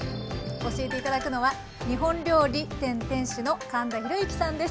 教えていただくのは日本料理店店主の神田裕行さんです。